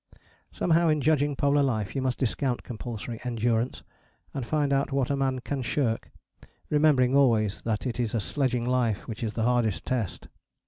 Somehow in judging polar life you must discount compulsory endurance; and find out what a man can shirk, remembering always that it is a sledging life which is the hardest test.